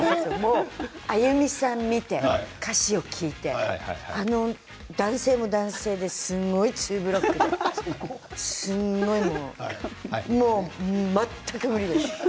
あゆみさんを見て歌詞を聴いてあの男性もすごいツーブロックでもう全く無理でした。